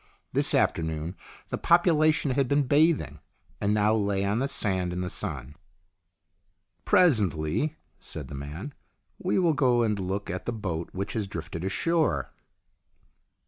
This afternoon the population had been bathing, and now lay on the sand in the sun. " Presently," said the man, " we will go and look at the boat which has drifted ashore."